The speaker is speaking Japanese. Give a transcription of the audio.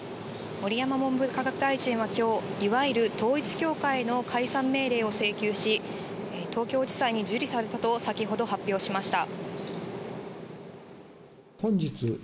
盛山文部科学大臣はきょう、いわゆる統一教会の解散命令を請求し、東京地裁に受理されたと先ほど発表しました。